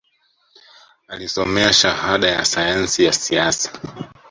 Alisomea Shahada ya Sayansi ya Siasa